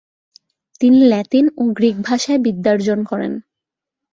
তিনি ল্যাতিন ও গ্রিক ভাষায় বিদ্যার্জন করেন।